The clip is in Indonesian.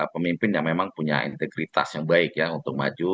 pemimpin yang memang punya integritas yang baik ya untuk maju